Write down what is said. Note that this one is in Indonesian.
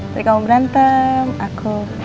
tadi kamu berantem aku